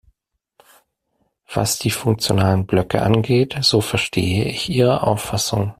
Was die funktionalen Blöcke angeht, so verstehe ich Ihre Auffassung.